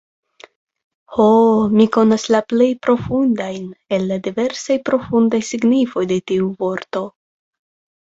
Ho, mi konas la plej profundajn el la diversaj profundaj signifojn de tiu vorto!